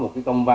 một cái công bố